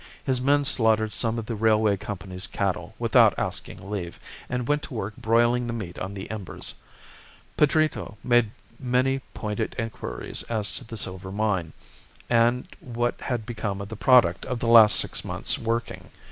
His men slaughtered some of the Railway Company's cattle without asking leave, and went to work broiling the meat on the embers. Pedrito made many pointed inquiries as to the silver mine, and what had become of the product of the last six months' working.